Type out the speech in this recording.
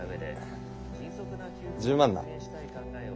１０万な。